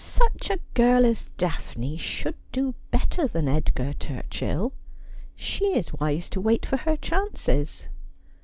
Such a girl as Daphne should do better than Edgar Turchill. She is wise to wait for her chances.'